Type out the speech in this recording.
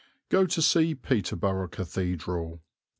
Go to see Peterborough Cathedral.